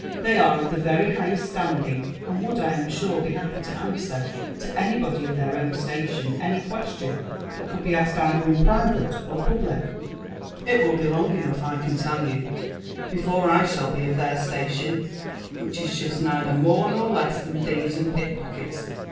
They are of the very Mgheet standing, and weald I am sure, be happy to enswer, to anybody of their own station* aay question that eould be asked either in private or ptiblic' '" It will be long enough, I can tell you, before I shall be of theit slalien, which is jost neither more poe less jlhaii lliieves end pickpock ets.